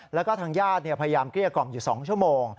แล้วก็ทางญาติพยายามเกลี้ยกล่อมอยู่๒ชั่วโมง